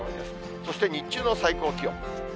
そして、日中の最高気温。